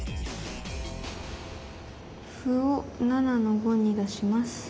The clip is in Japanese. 歩を７の五に出します。